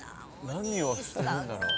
何をしてるんだろう？